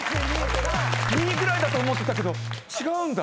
２位ぐらいだと思ってたけど違うんだ